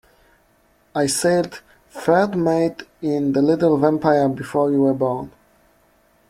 I sailed third mate in the little Vampire before you were born.